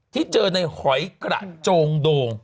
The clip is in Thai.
ที่เจอในหอยกระโจงโด่ง